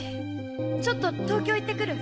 ちょっと東京行って来る。